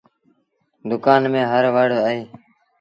دُڪآن ميݩ هر وڙ اهي۔